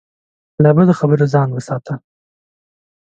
له بدو خبرو ځان وساته.